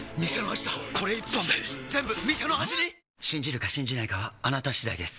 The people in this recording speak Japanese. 信じるか信じないかはあなた次第です